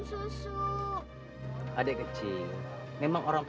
ibu cecah hutangmu